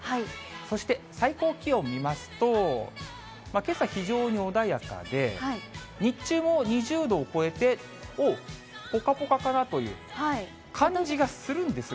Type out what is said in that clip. そして最高気温見ますと、けさ非常に穏やかで、日中も２０度を超えて、おっ、ぽかぽかかなという感じがするんですが。